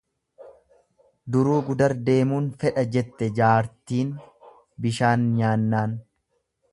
Duruu gudar deemuun fedha jette jaartin biishaan nyaannaan.